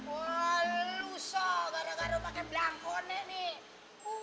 wah lu so gara gara pakai blangkone nih